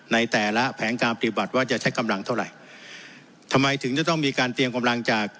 ในแต่ละแผนการปฏิบัติว่าจะใช้กำลังเท่าไหร่ทำไมถึงจะต้องมีการเตรียมกำลังจาก